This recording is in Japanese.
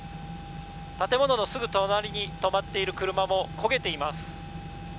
建物のすぐ隣に止まっている車も焦げています。